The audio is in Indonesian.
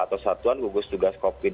atau satuan gugus tugas covid